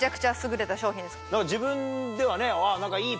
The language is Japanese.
自分ではね何か。